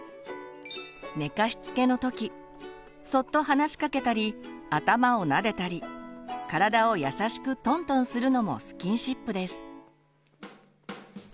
寝かしつけの時そっと話しかけたり頭をなでたり体を優しくトントンするのもスキンシップです。